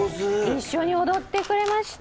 一緒に踊ってくれました。